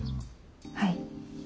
はい。